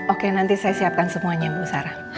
oke nanti saya siapkan semuanya bu sarah